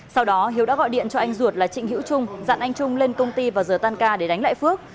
sau đó hiếu đã gọi điện cho anh ruột là trịnh hữu trung dặn anh trung lên công ty vào giờ tan ca để đánh lại phước